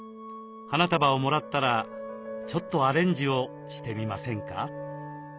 花束をもらったらちょっとアレンジをしてみませんか？